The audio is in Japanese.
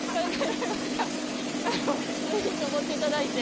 是非上っていただいて。